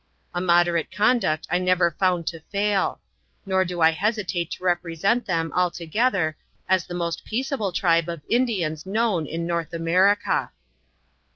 A moderate conduct I never found to fail; nor do I hesitate to represent them, altogether, as the most peaceable tribe of In dians known in North America.